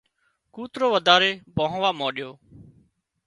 ڪوترو وڌاري ڀانهوا مانڏيو